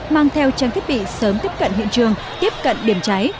mang theo trang thiết bị sớm tiếp cận hiện trường tiếp cận điểm cháy